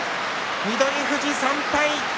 翠富士、３敗。